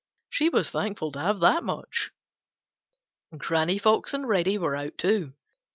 She was thankful to have that much. Granny Fox and Reddy were out too.